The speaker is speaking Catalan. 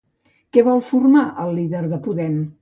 Què vol formar el líder de Podem?